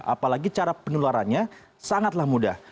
apalagi cara penularannya sangatlah mudah